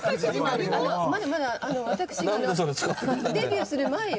まだまだ私がデビューする前よ。